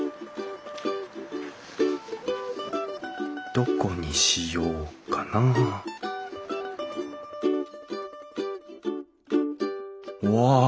どこにしようかなうわ